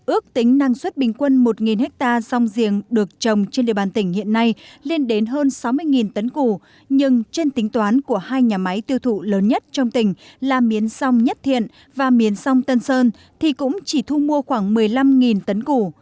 ước tính năng suất bình quân một ha song giềng được trồng trên địa bàn tỉnh hiện nay lên đến hơn sáu mươi tấn củ nhưng trên tính toán của hai nhà máy tiêu thụ lớn nhất trong tỉnh là miến song nhất thiện và miền song tân sơn thì cũng chỉ thu mua khoảng một mươi năm tấn củ